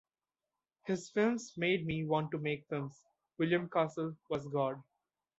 His films made me want to make films ... William Castle was God.